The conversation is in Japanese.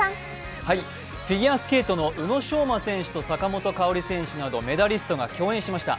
フィギュアスケートの宇野昌磨選手と坂本花織選手などメダリストが共演しました。